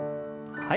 はい。